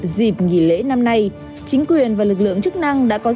dịp nghỉ lễ năm nay chính quyền và lực lượng chức năng đã có rất nhiều lợi dụng